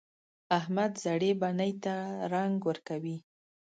احمد زړې بنۍ ته رنګ ورکوي.